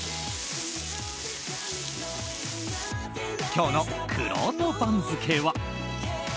今日のくろうと番付は。